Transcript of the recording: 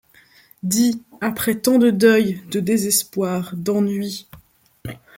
Dis, après tant de deuils, de désespoirs, d'ennuis